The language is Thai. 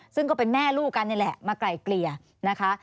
ซึ่งก็เป็นแม่ลูกกันนี่แหละมาไกลเกลี่ยนะคะ